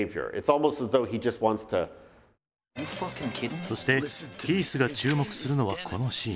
そしてヒースが注目するのはこのシーン。